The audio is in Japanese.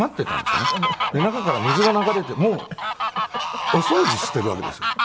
中から水が流れてもうお掃除しているわけですよ。